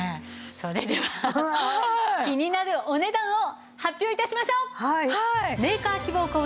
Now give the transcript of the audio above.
それでは気になるお値段を発表致しましょう！